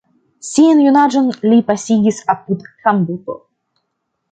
Sian junaĝon li pasigis apud Hamburgo.